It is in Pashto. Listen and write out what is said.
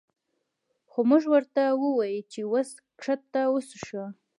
خو مونږ ورته ووې چې وس ښکته وڅښو